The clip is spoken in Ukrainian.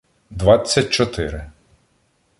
Двадцять чотири